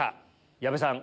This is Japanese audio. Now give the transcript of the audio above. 矢部さん